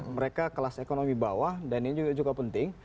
mereka kelas ekonomi bawah dan ini juga penting